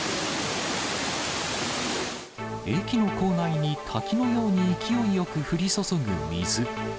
駅の構内に滝のように勢いよく降り注ぐ水。